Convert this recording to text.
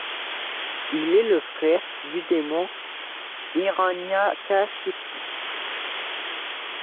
Il est le frère du démon Hiranyakashipu.